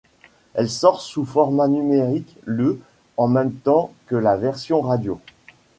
Elle sort sous format numérique le en même temps que la version radio.